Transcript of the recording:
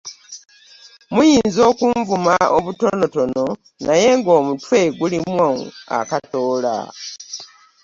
Muyinza okunvuma obutono naye nga omutwe gulimu akatoola.